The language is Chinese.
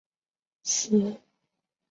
死亡轮才废止。